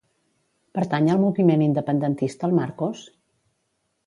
Pertany al moviment independentista el Marcos?